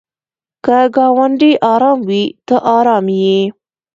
که ګاونډی ارام وي ته ارام یې.